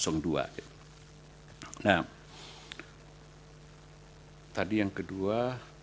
nah tadi yang kedua